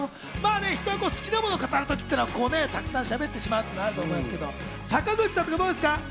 人は好きなものを語る時っていうのは、たくさんしゃべってしまうなと思いますけど、坂口さん、どうですか？